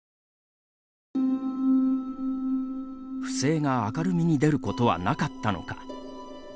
不正が明るみに出ることはなかったのか。